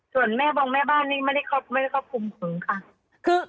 ส่วนแม่บองแม่บ้านนี่ไม่ได้เข้าภูมิคุ้มค่ะ